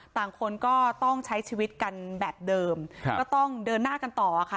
ต่างคนก็ต้องใช้ชีวิตกันแบบเดิมก็ต้องเดินหน้ากันต่อค่ะ